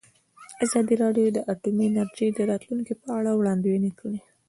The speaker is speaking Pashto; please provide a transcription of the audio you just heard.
ازادي راډیو د اټومي انرژي د راتلونکې په اړه وړاندوینې کړې.